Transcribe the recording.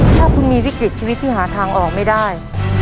ถ้าคุณมีวิกฤตชีวิตที่หาทางออกไม่ได้